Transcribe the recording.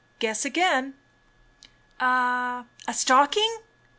"Guess again." "A— a stocking?"